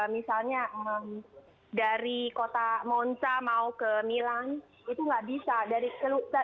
misalnya dari kota monca mau ke milan itu nggak bisa